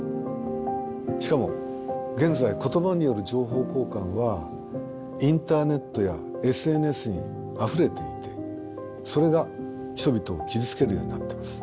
しかも現在言葉による情報交換はインターネットやＳＮＳにあふれていてそれが人々を傷つけるようになってます。